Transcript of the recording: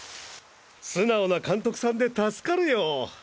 素直な監督さんで助かるよ。